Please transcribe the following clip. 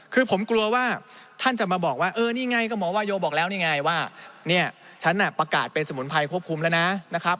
คือผมกลัวว่าท่านจะมาบอกว่าเออนี่ไงก็หมอวาโยบอกแล้วนี่ไงว่าเนี่ยฉันน่ะประกาศเป็นสมุนไพรควบคุมแล้วนะนะครับ